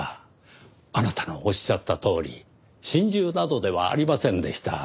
あなたのおっしゃったとおり心中などではありませんでした。